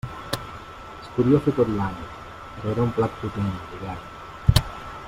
Es podia fer tot l'any, però era un plat potent, d'hivern.